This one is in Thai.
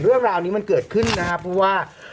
เรื่องราวนี้มันเกิดขึ้นนะครับเพราะว่า